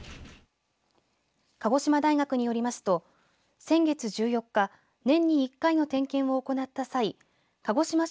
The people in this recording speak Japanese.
鹿児島大学によりますと先月１４日年に１回の点検を行った際鹿児島市